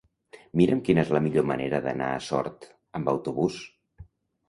Mira'm quina és la millor manera d'anar a Sort amb autobús.